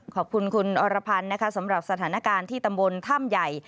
ขอบคุณคุณอรพันธ์นะคะสำหรับสถานการณ์ที่ตำบลถ้ำใหญ่